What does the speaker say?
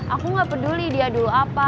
aku gak peduli dia dulu apa